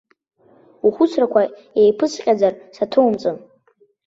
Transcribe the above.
Ухәыцрақәа еиԥысҟьазар, саҭоумҵан!